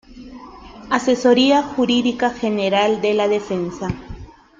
Asesoría Jurídica General de la Defensa.